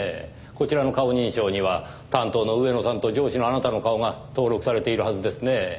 こちらの顔認証には担当の上野さんと上司のあなたの顔が登録されているはずですね。